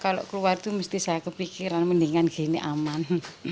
kalau keluar itu mesti saya kepikiran mendingan gini aman